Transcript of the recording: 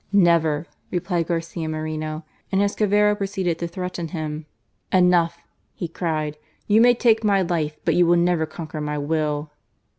"Never!" replied Garcia Moreno, and as Cavero proceeded to threaten him :—" enough !" he cried. "You may take my life, but you will never conquer my will."